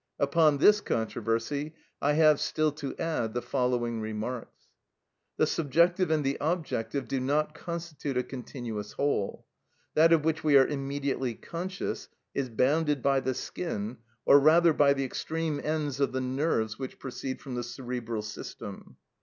Upon this controversy I have still to add the following remarks. The subjective and the objective do not constitute a continuous whole. That of which we are immediately conscious is bounded by the skin, or rather by the extreme ends of the nerves which proceed from the cerebral system.